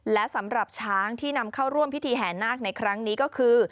และสำหรับช้างที่นำเข้าร่วมพิธีแห่นาคในครั้งนี้ก็คือ